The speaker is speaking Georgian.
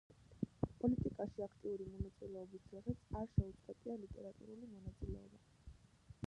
პოლიტიკაში აქტიური მონაწილეობის დროსაც არ შეუწყვეტია ლიტერატურული მონაწილეობა.